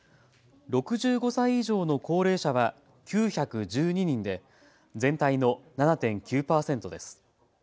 ６５歳以上の高齢者は９１２人で全体の７．９％です。